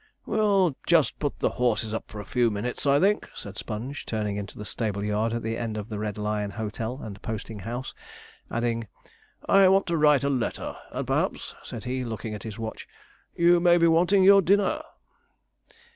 'We'll just put the horses up for a few minutes, I think,' said Sponge, turning into the stable yard at the end of the Red Lion Hotel and Posting House, adding, 'I want to write a letter, and perhaps,' said he, looking at his watch, 'you may be wanting your dinner.'